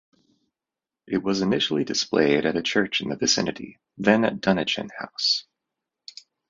It was initially displayed at a church in the vicinity, then at Dunnichen House.